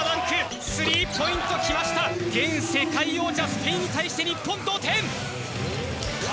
現世界王者スペインに対して日本同点！